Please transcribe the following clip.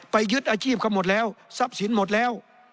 ยึดอาชีพกันหมดแล้วทรัพย์สินหมดแล้ว